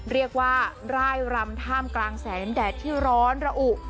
เรียกว่าร่ายรำท่ามกลางแสงแดดที่ร้อนระอุ